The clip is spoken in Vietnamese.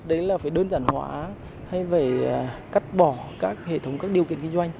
đấy là phải đơn giản hóa hay phải cắt bỏ các hệ thống các điều kiện kinh doanh